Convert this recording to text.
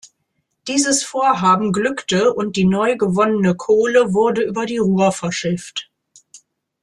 Dieses Vorhaben glückte, und die neu gewonnene Kohle wurde über die Ruhr verschifft.